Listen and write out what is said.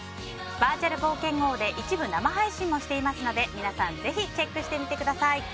バーチャル冒険王で一部生配信もしているので皆さんぜひチェックしてみてください。